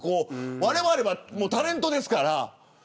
われわれはタレントですから。